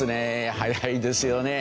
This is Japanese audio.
早いですよね。